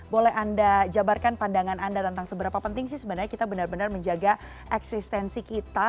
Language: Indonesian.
boleh anda jabarkan pandangan anda tentang seberapa penting sih sebenarnya kita benar benar menjaga eksistensi kita